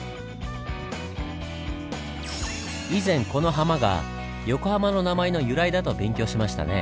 以前このハマが横浜の名前の由来だと勉強しましたね。